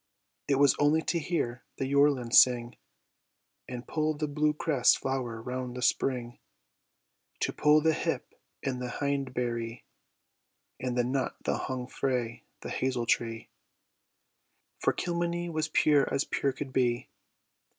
It was only to hear the yorlin sing, And pull the blue cress flower round the spring; To pull the hip and the hindberrye, And the nut that hung frae the hazel tree; For Kilmeny was pure as pure could be.